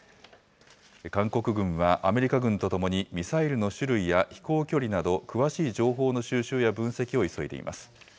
韓国軍はアメリカ軍とともに、ミサイルの種類や飛行距離など、詳しい情報の収集や分析を急いでいます。